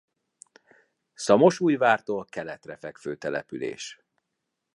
Szamosújvártól keletre fekvő település.